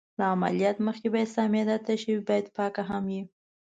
له عملیاتو مخکې باید ستا معده تشه وي، باید پاک هم یې.